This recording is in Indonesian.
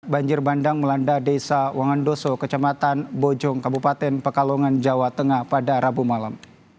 banjir bandang melanda desa wangandoso kecamatan bojong kabupaten pekalongan jawa tengah pada rabu malam